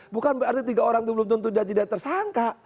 bukan berarti tiga orang itu belum tentu dia tidak tersangka